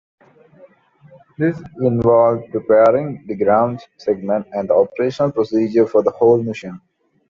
This involved preparing the ground segment and the operational procedures for the whole mission.